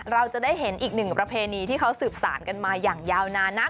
เราจะได้เห็นอีกหนึ่งประเพณีที่เขาสืบสารกันมาอย่างยาวนานนัก